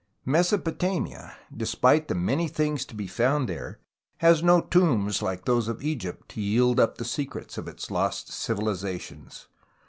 Mesopotamia, despite the many things to be found there, has no tombs like those of Egypt to yield up the secrets of its lost civilizations.